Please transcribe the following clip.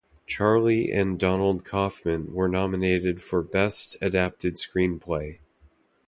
Charlie and Donald Kaufman were nominated for Best Adapted Screenplay.